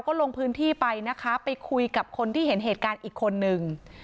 ก็ลงพื้นที่ไปนะคะไปคุยกับคนที่เห็นเหตุการณ์อีกคนนึง